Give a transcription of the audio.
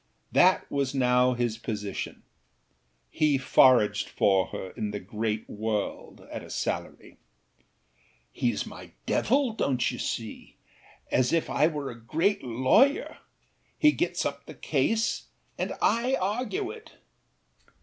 That was now his positionâhe foraged for her in the great world at a salary. âHeâs my âdevil,â donât you see? as if I were a great lawyer: he gets up the case and I argue it.